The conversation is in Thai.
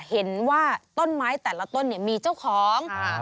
เห็นว่าต้นไม้แต่ละต้นเนี่ยมีเจ้าของ